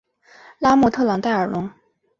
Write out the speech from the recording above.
拉莫特朗代尔龙。